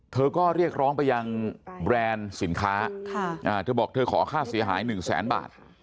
เธอก็เรียกร้องไปยังแบรนด์สินค้าเธอบอกเธอขอค่าเสียหาย๑แสนบาท